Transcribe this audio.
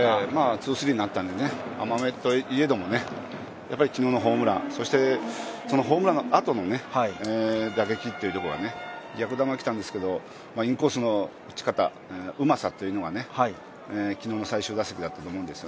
ツースリーになったので、甘めといえども昨日のホームラン、そしてそのホームランの後の打撃が、逆球きたんですけどインコースの打ち方、うまさというのが昨日の最終打席だったと思うんです。